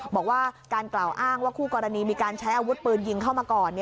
บอกว่าการกล่าวอ้างว่าคู่กรณีมีการใช้อาวุธปืนยิงเข้ามาก่อน